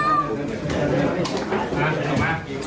ออกมาน้ำลม